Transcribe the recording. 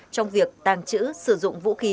trong việc tàng trữ sử dụng vũ khí